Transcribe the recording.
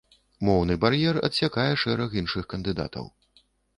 Моўны бар'ер адсякае шэраг іншых кандыдатаў.